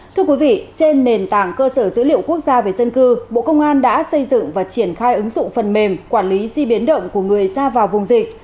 thưa quý vị trên nền tảng cơ sở dữ liệu quốc gia về dân cư bộ công an đã xây dựng và triển khai ứng dụng phần mềm quản lý di biến động của người ra vào vùng dịch